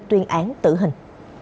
tuyên án tử hình